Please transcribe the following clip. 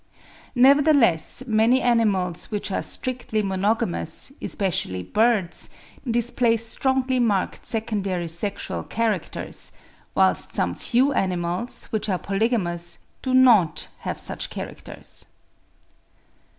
Nevertheless many animals, which are strictly monogamous, especially birds, display strongly marked secondary sexual characters; whilst some few animals, which are polygamous, do not have such characters.